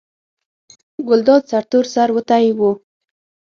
ګلداد سرتور سر وتی و.